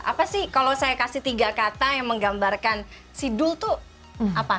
apa sih kalau saya kasih tiga kata yang menggambarkan si dul tuh apa